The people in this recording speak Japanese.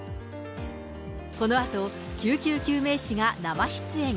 このあと、救急救命士が生出演。